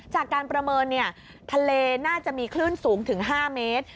จากการประเมินทะเลน่าจะมีคลื่นสูงถึง๕เมตร